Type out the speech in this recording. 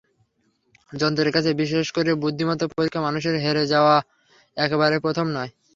যন্ত্রের কাছে, বিশেষ করে বুদ্ধিমত্তার পরীক্ষায় মানুষের হেরে যাওয়া এবারই প্রথম নয়।